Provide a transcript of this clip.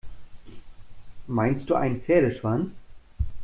Meinst du einen Pferdeschwanz?